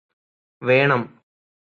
വേണം